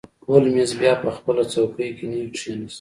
هولمز بیا په خپله څوکۍ کې نیغ کښیناست.